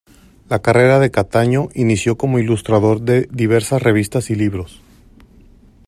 La carrera de Cataño inició como ilustrador de diversas revistas y libros.